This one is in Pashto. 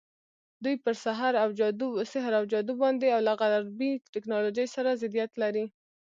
دوی پر سحر او جادو باور او له غربي ټکنالوژۍ سره ضدیت لري.